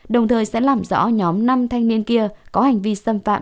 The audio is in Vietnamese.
đồng thời sẽ làm rõ nhóm năm thanh niên kia có hành vi xâm phạm